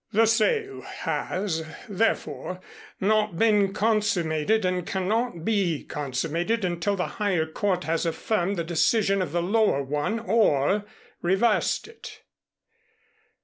"The sale has, therefore, not been consummated and cannot be consummated until the higher court has affirmed the decision of the lower one or reversed it."